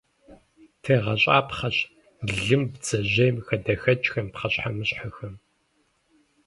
ТегъэщӀапхъэщ лым, бдзэжьейм, хадэхэкӀхэм, пхъэщхьэмыщхьэхэм.